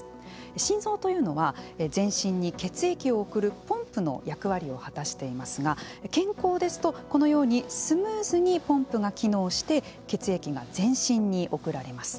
心臓というのは全身に血液を送るポンプの役割を果たしていますが健康ですとこのようにスムーズにポンプが機能して血液が全身に送られます。